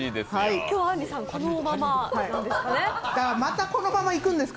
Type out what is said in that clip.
今日、あんりさん、このままですね。